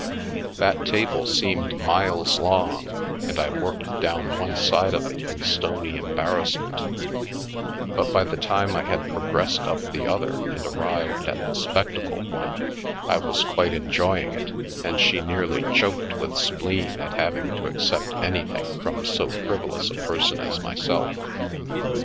That table seemed miles long, and I worked down one side of it in stony embarrassment, but by the time I had progressed up the other and arrived at the spectacled one, I was quite enjoying it, and she nearly choked with spleen at having to accept anything from so frivolous a person as myself.